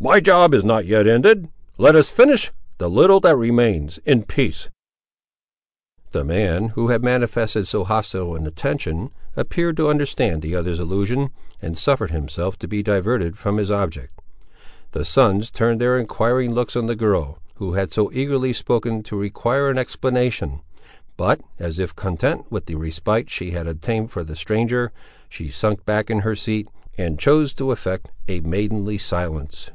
"My job is not yet ended; let us finish the little that remains, in peace." The man, who had manifested so hostile an intention, appeared to understand the other's allusion, and suffered himself to be diverted from his object. The sons turned their inquiring looks on the girl, who had so eagerly spoken, to require an explanation; but, as if content with the respite she had obtained for the stranger, she sunk back, in her seat, and chose to affect a maidenly silence.